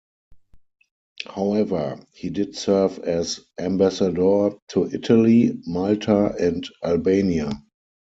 However, he did serve as ambassador to Italy, Malta, and Albania.